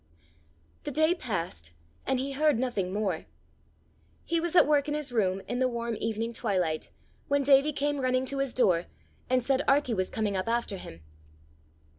The day passed, and he heard nothing more. He was at work in his room in the warm evening twilight, when Davie came running to his door, and said Arkie was coming up after him.